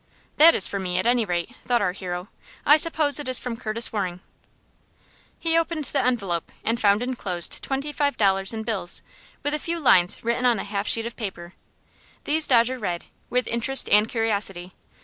"That is for me, at any rate," thought our hero. "I suppose it is from Curtis Waring." He opened the envelope, and found inclosed twenty five dollars in bills, with a few lines written on a half sheet of paper. These Dodger read, with interest and curiosity.